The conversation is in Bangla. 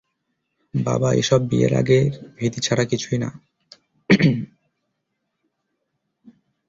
বাবা, এসব বিয়ের আগের ভীতি ছাড়া কিছুই না।